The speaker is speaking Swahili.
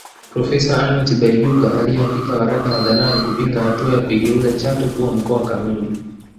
Profesa Anna Tibaijuka aliyeandika waraka hadharani kupinga hatua ya kuigeuza Chato kuwa mkoa kamili